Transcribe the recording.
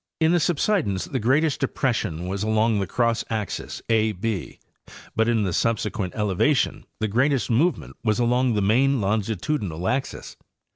In the subsidence the greatest depression was along the cross axis A B, but in the subsequent elevation the greatest movement was along the main longitudinal axes.